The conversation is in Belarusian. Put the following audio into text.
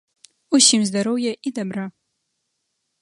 Усім здароўя і дабра.